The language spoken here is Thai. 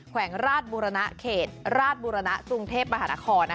แขวงราศบุรณาเขตราศบุรณาสูงเทพฯมหาลักษณะคอ